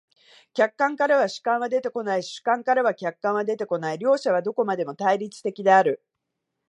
客観からは主観は出てこないし、主観からは客観は出てこない、両者はどこまでも対立的である。